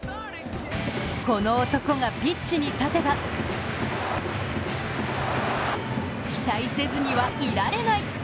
この男がピッチに立てば期待せずにはいられない！